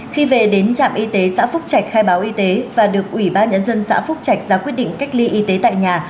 khi về đến trạm y tế xã phúc trạch khai báo y tế và được ủy ban nhân dân xã phúc trạch ra quyết định cách ly y tế tại nhà